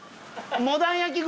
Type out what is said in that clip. モダン焼き串。